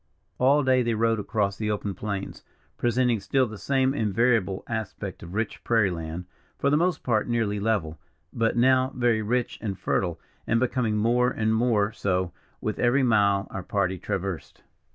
All day they rode across the open plains, presenting still the same invariable aspect of rich prairie land, for the most part nearly level, but now very rich and fertile, and becoming more and more so, with every mile our party traversed.